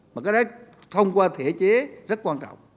mà cái đấy thông qua thể chế rất quan trọng